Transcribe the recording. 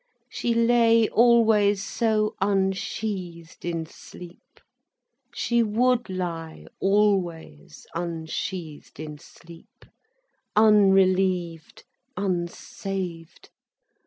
She lay always so unsheathed in sleep. She would lie always unsheathed in sleep, unrelieved, unsaved.